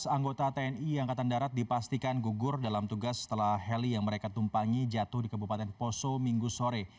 tujuh belas anggota tni angkatan darat dipastikan gugur dalam tugas setelah heli yang mereka tumpangi jatuh di kebupaten poso minggu sore